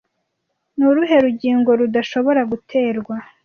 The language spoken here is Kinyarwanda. Ni uruhe rugingo rudashobora guterwa